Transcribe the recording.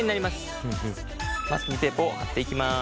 マスキングテープを貼っていきます。